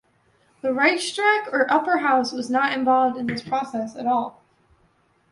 The Reichsrat, or upper house, was not involved in this process at all.